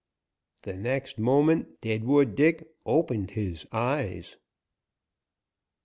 The next moment Deadwood Dick opened his eyes.